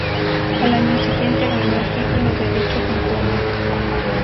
Al año siguiente ganó el título de dicho campeonato.